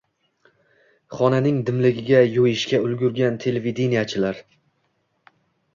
xonaning dimligiga yo‘yishga ulgurgan televideniyechilar